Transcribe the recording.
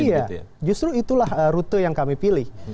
iya justru itulah rute yang kami pilih